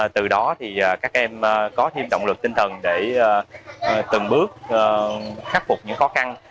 từ đó thì các em có thêm động lực tinh thần để từng bước khắc phục những khó khăn